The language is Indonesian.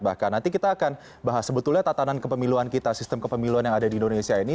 bahkan nanti kita akan bahas sebetulnya tatanan kepemiluan kita sistem kepemiluan yang ada di indonesia ini